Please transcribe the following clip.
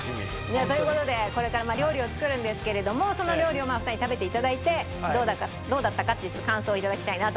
いやという事でこれから料理を作るんですけれどもその料理をお二人に食べて頂いてどうだったかって感想を頂きたいなと。